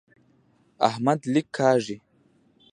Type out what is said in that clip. احمد لیک کاږي.